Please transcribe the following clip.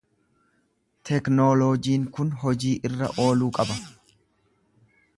Teknooloojiin kun hojii irra ooluu qaba.